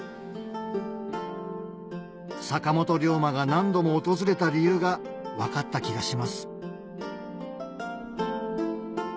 坂本龍馬が何度も訪れた理由が分かった気がします